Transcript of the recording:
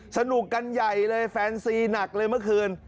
สนุกกันใหญ่เลยแฟนซีหนักเลยเมื่อคืน